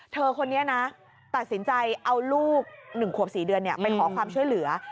เธอคนนี้นะตัดสินใจเอาลูก๑ขวบ๔เดือนไปขอความช่วยเหลือ